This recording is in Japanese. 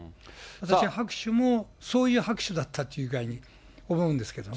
私は拍手も、そういう拍手だったっていう具合に思うんですけどね。